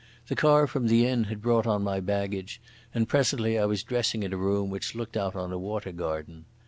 The car from the inn had brought on my baggage, and presently I was dressing in a room which looked out on a water garden.